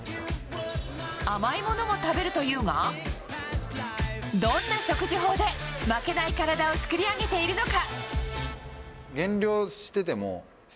甘いものも食べるというがどんな食事法で負けない体を作り上げているのか。